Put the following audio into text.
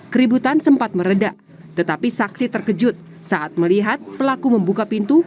keributan sempat meredah tetapi saksi terkejut saat melihat pelaku membuka pintu